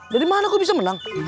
dari mana kok bisa menang